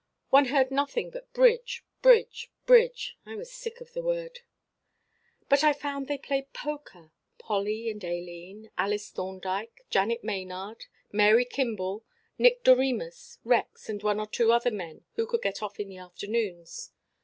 One heard nothing but bridge, bridge, bridge. I was sick of the word. "But I found they played poker. Polly and Aileen, Alice Thorndyke, Janet Maynard, Mary Kimball, Nick Doremus, Rex and one or two other men who could get off in the afternoons.